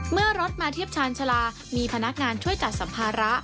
เมื่อรถมาเทียบชาญชาลามีพนักงานช่วยจัดสัมภาระ